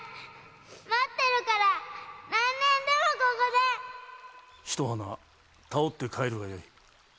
待ってるから何年でもここで〕ひと花手折って帰るがよい。